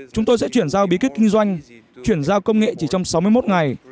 chúng tôi sẽ chuyển giao bí kết kinh doanh chuyển giao công nghệ chỉ trong sáu mươi một ngày